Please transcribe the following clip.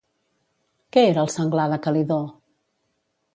Què era el senglar de Calidó?